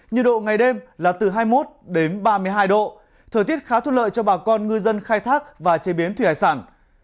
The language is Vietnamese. nhiệt độ ngày đêm là từ hai mươi một đến ba mươi hai độ thời tiết khá thuận lợi cho bà con ngư dân khai thác và chế biến thủy hải sản